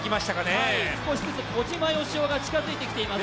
少しずつ小島よしおが近づいてきています。